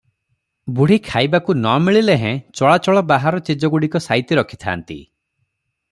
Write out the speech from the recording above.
ବୁଢ଼ୀ ଖାଇବାକୁ ନ ମିଳିଲେହେଁ ଚଳାଚଳ ବାହାର ଚିଜଗୁଡ଼ିକ ସାଇତି ରଖି ଥାନ୍ତି ।